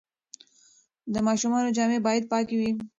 د ماشومانو جامې باید پاکې وي.